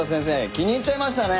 気に入っちゃいましたね。